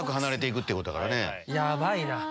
ヤバいな。